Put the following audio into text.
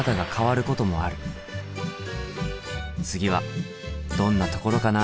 次はどんなところかな。